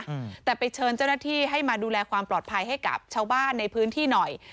อืมแต่ไปเชิญเจ้าหน้าที่ให้มาดูแลความปลอดภัยให้กับชาวบ้านในพื้นที่หน่อย